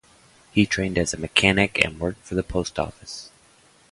He trained as a mechanic and worked for the Post Office.